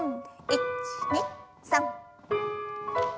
１２３。